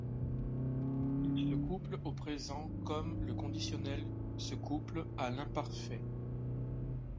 Il se couple au présent comme le conditionnel se couple à l'imparfait.